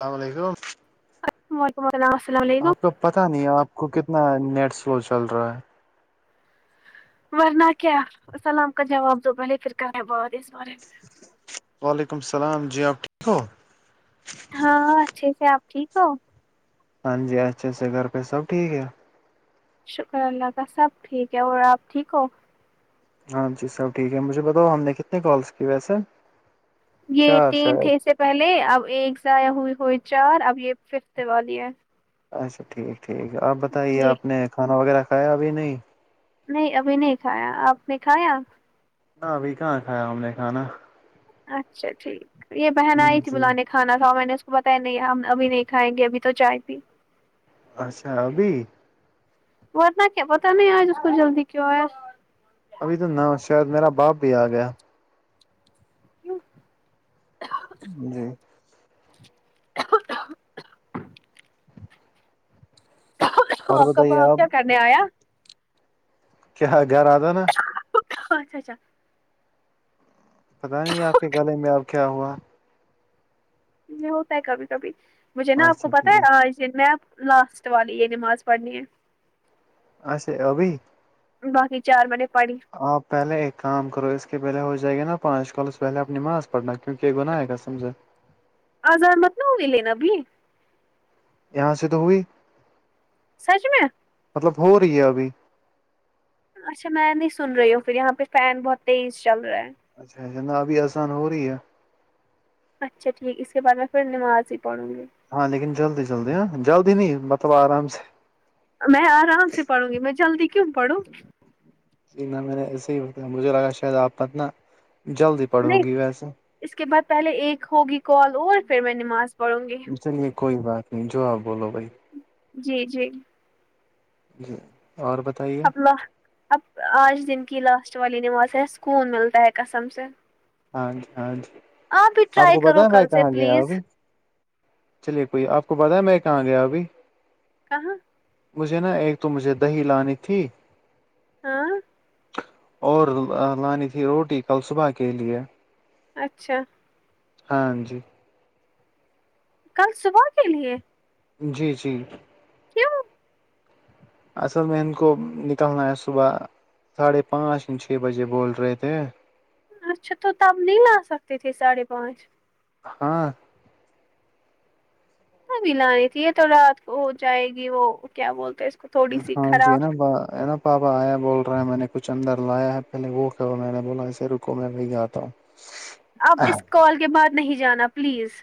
السلام وعلیکم وعلیکم السلام السلام علیکم تو پتہ نہیں ہے آپ کو کتنا نیٹ سلو چل رہا ہے ورنہ کیا سلام کا جواب دو پہلے پھر کرے بات اس بارے میں وعلیکم السلام جی آپ ٹھیک ہو ہاں ہاں اچھے سے آپ ٹھیک ہو ہاں جی اچھے سے گھر پے سب ٹھیک ہے شکر اللہ کا سب ٹھیک ہے اور آپ ٹھیک ہو ہاں جی سب ٹھیک ہے مجھے بتاؤ ہم نے کتنے کالس کی ویسے یے چار تین شاید تھے اس سے پہلے اب ایک ضائع ہوئی ہوئی چار اب یے ففت والی ہے اچھا ٹھیک ٹھیک آپ بتائیے جی آپ نے کھانا وغیرہ کھایا ابھی نہیں نہیں ابھی نہیں کھایا آپ نے کھایا کہا ابھی کہاں کھیا ہم نے کھانا اچھا ٹھیک یے بہن آئی تھی جی بلانے کو کھانا کھاؤ میں نے اس کو بتایا نہیں ہم ابھی نہیں کھائیں گے ابھی تو چائے پی اچھا ابھی ورنہ کیا پتہ نہیں آج اس کو جلدی کیوں ہے ابھی تو نا ہو شاید میرا باپ بھی آ گیا [unintelligible] جی [unintelligible] اور آپ کا بتائیے باپ کیا کرنے آیا کیا گھر اتا نا اچھا اچھا پتہ نہیں آپ کے گلے میں اب کیا ہوا یے ہوتا ہے کبھی کبھی مجھے نا آپ کو اچھا پتہ ٹھیک ہے آج جس میں اب لاسٹ والی یے نماز پڑھنی ہے اچھا ابھی باقی چار منٹ پڑھائی میں آپ پہلے ایک کام کرو اس کے پہلے ہو جائے گے نا پانچ کالس اس پہلے اپنی نماز پڑھنا کیونکہ گناہ ائے گا سمجھے آزان مت نہ [unintelligible] لینا ابھی یہاں سے تو ہوئی سچ میں مطلب ہو رہی ہے ابھی اچھا میں نہیں سن رہی ہوں پھر یہاں پے فین بہت تیز چل رہا ہے میں نےکہا ابھی آذان ہو رہی ہے اچھا ٹھیک اس کے بعد میں پھر نماز بھی پڑھوں گی ہاں لیکن جلدی جلدی ہاں جلدی نہیں مطلب آرام سے میں آرام سے پڑھوں گی میں جلدی کیوں پڑھوں جی نہ میں نے ایسے ہی بتایا مجھے لگا شاید آپ اتنا جلدی نہیں پڑھوگی ویسے اس کے بعد پہلے ایک ہوگی کال اور پھر میں نماز پڑھوں گی چلیے کوئی بات نہیں جو آپ بولو بھائی جی جی جی اور بتائیے اب لا اب آج دن کی لاسٹ والی نماز ہے سکون ملتا ہے کسم سے ہاں جی ہاں جی بھی آپ ٹرائی کو بتا کرو ہے میں کل سے کہاں گیا پلیز ابھی چلیے کوئی آپ کو پتا ہے میں کہاں گیا ابھی کہاں مجھے نا ایک تو مجھے دہی لانی تھی ہاں اور لانی تھی روٹی کل صبح کے لیئے اچھا ہاں جی کل صبح کے لیے جی جی کیوں اصل میں ان کو نکلنا ہے صبح ساڑھے پانچ چھ بجے بول رہے تھے اچھا تو تب نہیں لا سکتے تھے ساڑھے پانچ ہاں بھی لانی تھی یہ تو رات کو ہو جائے گی وہ کیا بولتے اس کو تھوڑی سی ہاں جی ہے خراب ن با پاپا آیا بول رہے ہے میں نے کچھ اندر لایا ہے پہلے وہ کہو میں نے بولا اسے رکو میں وہی اتا ہوں اب اس کال کے بعد نہیں جانا پلیز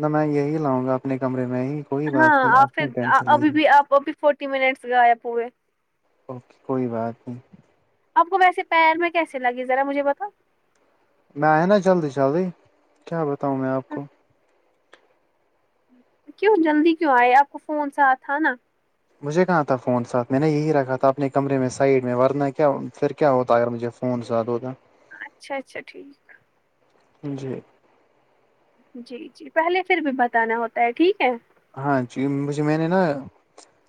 نہ میں یہی لاؤں گا اپنے کمرے میں ہی کوئی ہاں بات نہیں آ آپ پھر کیوں ٹینشن لے ابھی رہی بھی آپ ابھی فورٹی منٹس غائب ہوئے اوکے کوئی بات نہیں آپ کو ویسے پیر میں کیسے لگی ذرا مجھے بتاو میں آیا نا جلدی جلدی کیا بتاؤں میں آپ کو کیوں جلدی کیوں آئے آپ کو فون ساتھ تھا نا مجھے کہاں تھا فون ساتھ میں نے یہی رکھا تھا اپنے کمرے میں سائڈ میں ورنہ کیا پھر کیا ہوتا اگر مجھے فون ساتھ ہوتا اچھا اچھا ٹھیک جی جی جی پہلے پھر بھی بتانا ہوتا ہے ٹھیک ہے ہاں جی مج میں نے نا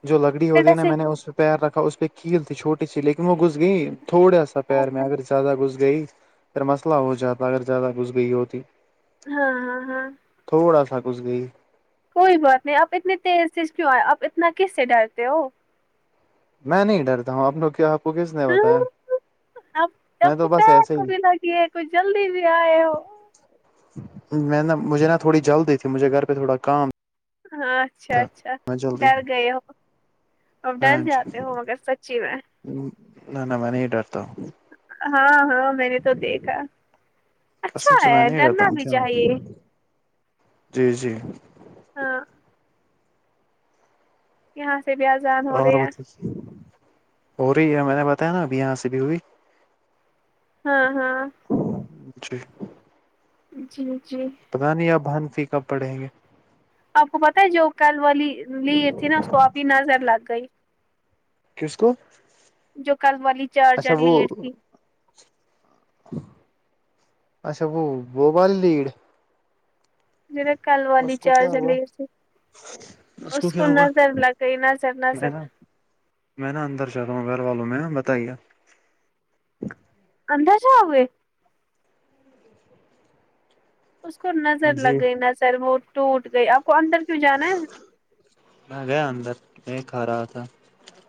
جو لکڑی پھر ہوتی ہے نا ویسے میں نے اس پیر رکھا اس پہ کیل تھی چوٹی سی لیکن وہ گو گئی تھوڑا سا ہاں پیر میں اگر زیادہ گھس گئی پھر مسئلہ ہو جاتا اگر زیادہ گھس گئی ہوتی ہاں ہاں ہاں تھوڑا سا گھس گئی کوئی بات نہیں آپ اتنی تیز سے کیوں آ آپ اتنا کس سے ڈرتے ہو میں نہیں ڈرتا ہوں آپ کیا آپ کو کس نے بتایا اب سب میں کو تو بس پیر ایسے کو ہی بھی لگیے کچھ جلدی بھی آئے ہو میں نا مجھے نا تھوڑی جلدی تھی مجھے گھر پہ تھوڑا کام ہ اچھا تھا اچھا میں جلدی ڈر گئے ہو اب ڈر جاتا ہو مگر سچی میں ہ نا نا مے نہی ڈرتا ہاں ہاں میں نے تو دیکھا اچھا قسم سے ہے میں نہیں رہتا ڈرنا ہوں بھی کیا چاہیے جی جی ہاں یہاں سے بھی آذان ہو رہے اور ہے بتائیے ہو رہی ہے میں نے بتایا نا ابھی یہاں سے بھی ہوئی ہاں ہاں جی جی جی پتا نہیں [unintelligible] کب پڑھیں گے آپ کو پتا ہے جو کل والی لی تھی نا اس کو آپ کی نظر لگ گئی کس کو جو کل والی چرچ اچھا جر وہ لی تھی اچھا وہ والی لیڑ جینے کل والی اس کو کیا چارجر ہوا لی تھی اس کو نظر لگئی نظر میں نظر نا میں نا اندر چل رہا ہوں گھر والوں میں بتائیے اندر جاو گئے اس کو نظر لگ جی گئی نظر وہ ٹوٹ گئی آپ کو اندر کیوں جانا ہے میں گیا اندر میں کھا رہا تھا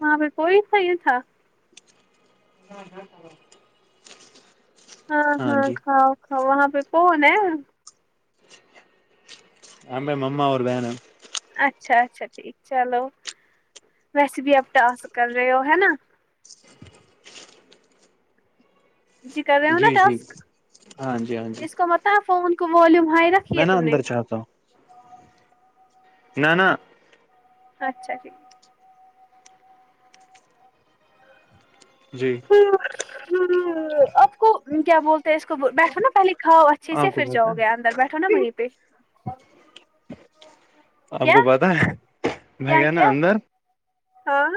وہاں پہ کوئی صاہی تھا ہاں ہاں کھاؤ کاؤ وہاں پہ کون ہے یہا پے مما اور بہن ہے اچھا اچھا ٹھیک چلو ویسے بھی آپ ٹاسک کر رہے ہو ہے نا جی کر رہے ہو نا ٹاسک ہاں جی ہاں جی اس کو مت فون کو والین ہائی رک میں نا اندر جاتا ہوں نہ نہ اچھا ٹھیک جی ہ آپ کو کیا بول تو اس کو بیٹھو نا پہلے کھاؤ اچھے آپ سے کو پھر جاؤ پتا ہے گے اندر بیٹھو نا وہیں پہ آپ کیا کو پتا ہے میں کیا گایا نا کیا اندر ہاں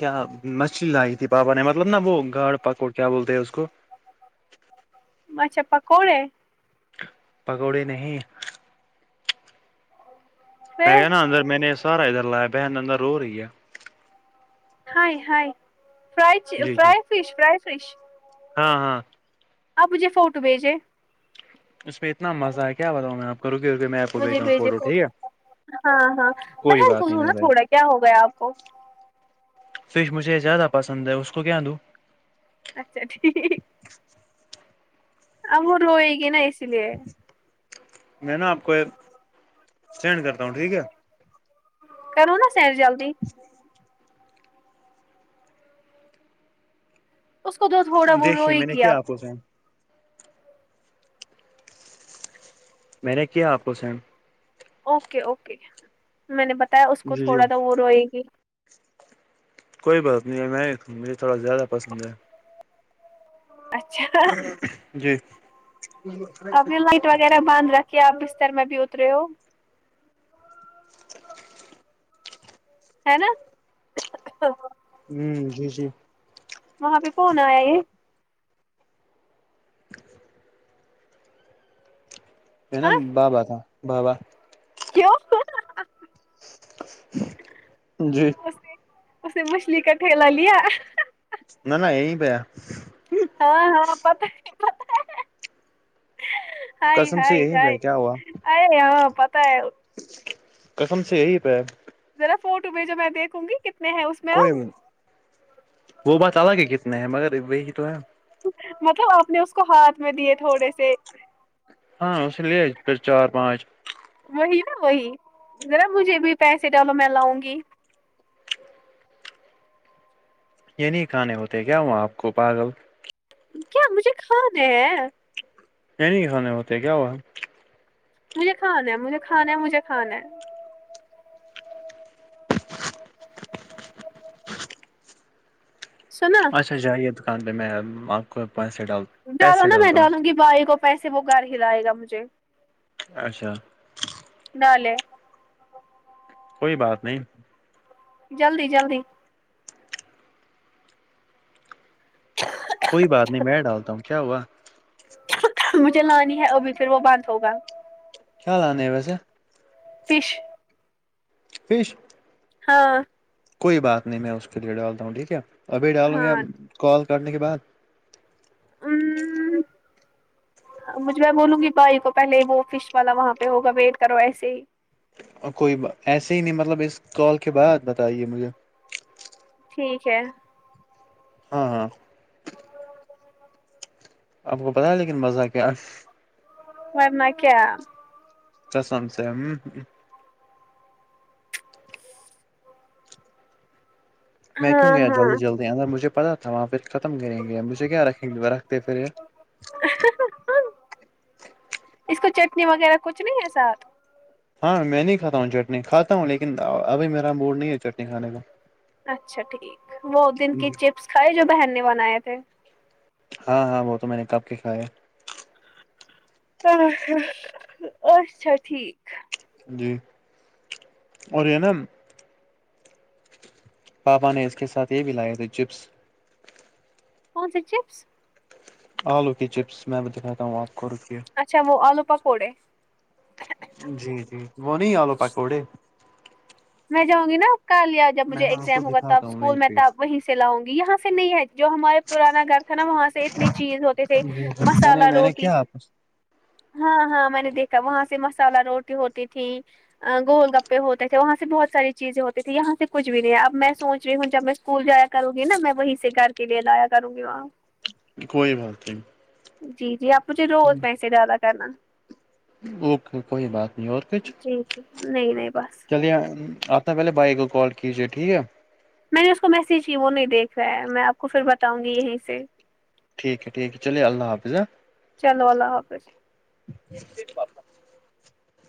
کیا مچھلی لائیی تھی پاپا نے مطلب نہا وہ گاڑ پکوڑ کیا بولتے ہیں اس کو اچھا پکوڑے پکوڑے نہیں میں پھر گیا نا اندر میں نے سارا ادھر لایا بہیں اندر رو ہو رہییا ہائےہائے فرید جی جی فرائی فش فرائی فش ہاں ہاں آپ مجھے فوٹو بھیجیں اس میں اتنا مزہ ہے کیا بتاؤں میں آپکو رکے رکے می مجھے بھیجا ہوں بھیجے فوٹو ٹھیک ہے ہاں ہاں کوئی بہن بات نہیں کووں نا میرے بھائی تھوڑا کیا ہو گیا آپ کو فش مجھے زیادہ پسند ہے اس کو کیا دوں اچھا ٹھیک آب وه روےگی نہ اسلئے میں نا آپ کو ایک سند کرتا ہوں ٹھیک ہے کرو نا سینڈ جلدی اس کو دو تھوڑا وہ دیکھیے رویہ گی اب [unintelligible] میں نے کیا آپ کو سینڈ اوکے اوکے میں نے بتایا اس کو جی جی تھوڑا تھاا وہ روئے گی کوئی بات نہیں ہے میں مجھے تھوڑا زیادہ پسند ہے اچھا جی کیا آپ بستر میں بھی اترے ہو ہے نا ہوں جی جی وہاں پہ کون آیا یہ یہ نا بابا تھا بابا کیو جی اسنےاسنے مچھلی کا ٹھیلا لیا نہ نہ یہی پہ ہے ہاں ہاں پتا ہی پتا ہے ہائے قسم سے ہائے یہی آائے پہ کیا ہوا آئے ہاں پتہ ہے قسم سے یہی پہ ہے ذرا فوٹو بھیجو میں دیکھوں گی کتنے ہیں اس میں کوئی اب و وه بات الگ ہے کتنے ہیں مگر وہی تو ہے مطلب آپ نے اس کو ہاتھ میں دیے تھوڑے سے ہاں اسے لے پھر چار پانچ وہی نا وہی ذرا مجھے بھی پیسے ڈالو میں لاؤں گی یہ نہیں کھانے ہوتے کیا وہاں آپ کو پاگل کیا مجھے کھانے ہے یہ نہیں کانے ہوتے کیا ہوا ہے مجھے کھانا ہے مجھے کھانا ہے مجھے کھانا ہے سنا اچھا جائیے دکان پہ میں آپ کو پینسے ڈال ہوں ڈالا پیسے نا میں ڈالتا ڈالوں گی بھائی کو پیسے وہ گھر ہی لائے گا مجھے اچھا ڈالے کوئی بات نہیں جلدی جلدی کوئی بات نہیں میں ڈالتا ہوں کیا ہوا مجھے لانی ہے ابھی پھر وہ بند ہوگا کیا لانے ہے ویسے فش فش ہاں کوئی بات نہیں میں اس کے لیے ڈالتا ہوں ٹھیک ہے ابھی ڈالوں یا ہاں کال کرنے کے بعد ہمم ہمم ہم مجھ میں بولوں گی بھائی کو پہلے وہ فش والا وہاں پہ ہوگا ویٹ کرو ایسے ہی کوئی ایسے ہی نہیں مطلب اس کال کے بعد بتائیے مجھے ٹھیک ہے ہاں ہاں آپ کو پتا ہے لیکن مزہ کیا ہے ورنہ کیا کسم سے ہم میں کیوں ہاں گیا جلدی ہاں جلدی اندر مجھے پتا تھا وہاں پھر ختم کریں گے مجھے کیا رکھیں گے وہ رکھتے پھر یہ اس کو چٹنی وغیرہ کچھ نہیں ہے ساتھ ہاں میں نہیں کھاتا ہوں چٹنی کھاتا ہوں لیکن ابھی میرا موڈ نہیں ہے چٹنی کھانے کا اچھا ٹھیک وہ دن کی چپس کھائے جو بہن نے بنائے تھے ہاں ہاں وہ تو میں نے کب کے کھایا ہاں ہاں اچھا ٹھیک جی اور یہ نا پاپا نے اس کے ساتھ یہ بھی لائے تھے چپس کون سی چپس آلو کی چپس میں ب دکھاتا ہو آپ کو روکے اچھا وہ آلو پکوڑے جی جی وہ نہیں آلو پکوڑے میں جاؤں گی نا کالیا جب میں مجھے آپ کو ایگزام ہوا تب دکھاتا ہوں وہیں اسکول میں پہ تب وہیں سے لاؤں گی یہاں سے نہیں ہے جو ہمارے پرانا گھر تھا نا وہاں سے انی چیز ہوتے تھے جی میں نے مسالہ میں نے روٹی کیا ہاں ہاں میں نے دیکھا وہاں سے مسالہ روٹی ہوتی تھی ا گول گپے ہوتے وہا سے بہت ساری چیزیں ہوتی تھی یہاں سے کچھ بھی نہیں اب میں سوچ رہی ہوں جب میں اسکول جا کر گی نا میں وہیں سے گھر کلے لایا لیا کرو گی وہاں کوئی بات نہیں جی جی آپ مجھے روز پیسے ڈالا کرنا اوکے کوئی بات نہیں اور کچھ جی جی نہیں نہیں بس چلیے آپ سب سے پہلے بائی کو کال کیجیے ٹھیک ہے میں نے اس کو میسج کی وہ نہیں دیکھ رہا ہے میں آپ کو پھر بتاؤں گی یہیں سے ٹھیک ہے ٹھیک ہے چلیے اللہ حافظ ہاں چلو اللہ حافظ